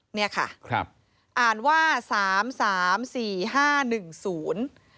เนี่ยค่ะครับอ่านว่าสามสามสี่ห้าหนึ่งศูนย์